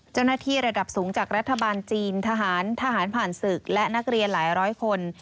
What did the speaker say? ระดับสูงจากรัฐบาลจีนทหารทหารผ่านศึกและนักเรียนหลายร้อยคน